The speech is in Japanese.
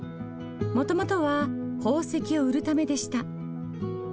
もともとは宝石を売るためでした。